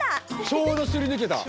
ちょうどすりぬけた。